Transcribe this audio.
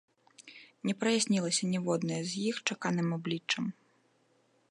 Не праяснілася ніводнае з іх чаканым абліччам.